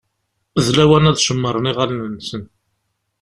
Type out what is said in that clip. D lawan ad cemmṛen iɣallen-nsen.